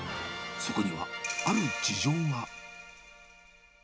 そこには、ある事情が。